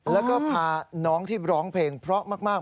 แล้วก็พาน้องที่ร้องเพลงเพราะมาก